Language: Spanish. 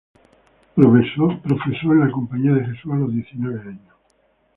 Profesó en la Compañía de Jesús a los diecinueve años.